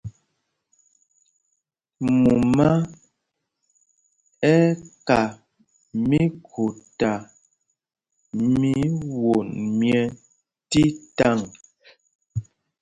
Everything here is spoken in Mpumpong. Mama ɛ́ ɛ́ ka míkhuta mí won myɛ́ tí taŋ.